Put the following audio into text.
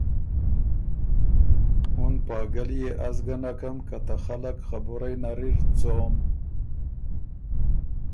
اُن پاګل يې از ګه نکم که ته خلق خبُرئ نر اِر څوم۔